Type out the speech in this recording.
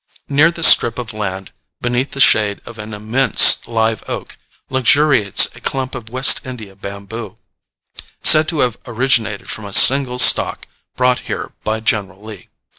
Near this strip of land, beneath the shade of an immense live oak, luxuriates a clump of West India bamboo, said to have originated from a single stalk brought here by General Lee.